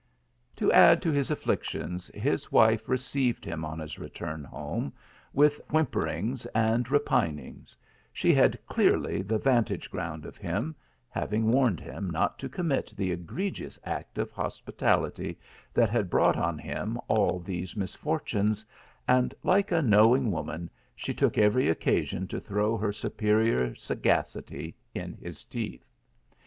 " To add to his afflictions his wife received him, on his return home, with whimperings and repinings ; she had clearly the vantage ground of him, having warned him not to commit the egregious act of hos pitality that had brought on him all these misfor tunes, and like a knowing woman, she took every occasion to throw her superior sagacity in his teeth.